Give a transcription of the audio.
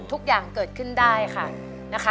ทุกอย่างเกิดขึ้นได้ค่ะนะคะ